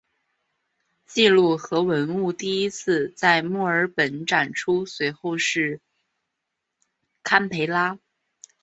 记录和文物第一次在墨尔本展出随后是堪培拉。